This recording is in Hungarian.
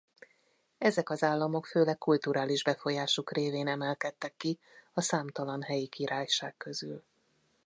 Ezek az államok főleg kulturális befolyásuk révén emelkedtek ki a számtalan helyi királyság közül.